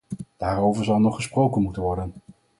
Daarover zal nog gesproken moeten worden.